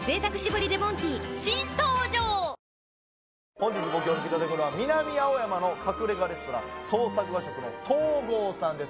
本日ご協力いただくのは南青山の隠れ家レストラン創作和食の東郷さんです